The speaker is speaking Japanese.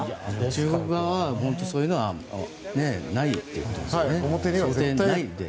中国側は本当そういうのはないということですよね。